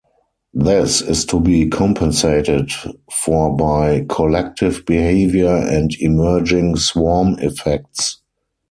This is to be compensated for by collective behavior and emerging swarm effects.